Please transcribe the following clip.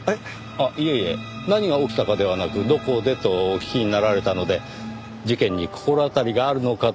あっいえいえ何が起きたかではなくどこでとお聞きになられたので事件に心当たりがあるのかと。